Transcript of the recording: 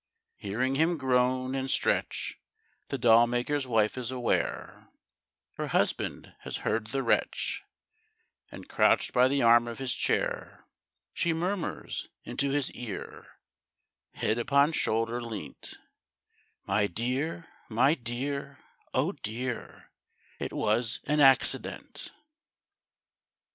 Hearing him groan and stretch The doll maker's wife is aware Her husband has heard the wretch, And crouched by the arm of his chair, She murmurs into his ear, Head upon shoulder leant: 'My dear, my dear, oh dear, It was an accident.'